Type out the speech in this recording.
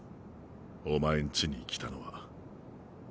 お前ん家に来たのは。